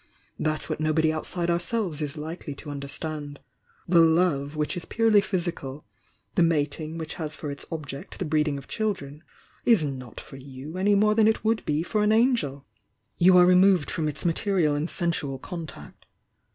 That's what nobody outside ourselves is likely to understand. The 'love' which is purely physical,— the matmg which has for its object the breeding of children, is not for you any more than it would be for an angel — you are removed from its material and sensual contact.